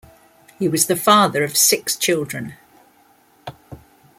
He was the father of six children.